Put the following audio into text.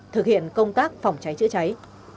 thực hiện công tác phòng cháy chữa cháy